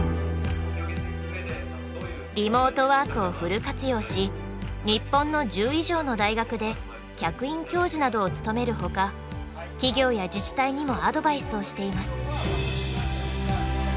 リモートワークをフル活用し日本の１０以上の大学で客員教授などを務めるほか企業や自治体にもアドバイスをしています。